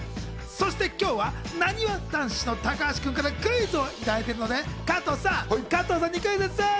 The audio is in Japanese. そして今日はなにわ男子の高橋君からクイズをいただいているので加藤さん、加藤さんにクイズッス！